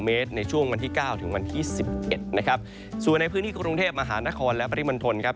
เมตรในช่วงวันที่เก้าถึงวันที่สิบเอ็ดนะครับส่วนในพื้นที่กรุงเทพมหานครและปริมณฑลครับ